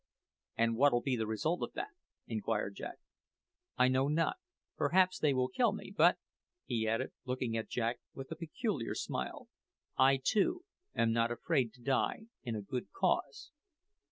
"And what'll be the result of that?" inquired Jack. "I know not. Perhaps they will kill me; but," he added, looking at Jack with a peculiar smile, "I too am not afraid to die in a good cause!"